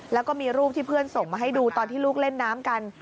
แล้วก็มีรูปที่เพื่อนส่งมาให้ดูตอนที่ลูกเล่นน้ำกัน